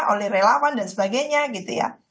oleh relawan dan sebagainya gitu ya